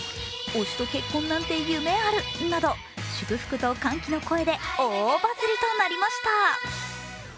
推しと結婚なんて夢ある、など祝福と歓喜の声で大バズりとなりました。